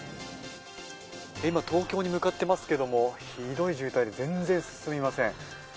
今、東京に向かっていますけれども、ひどい渋滞で全然進みません。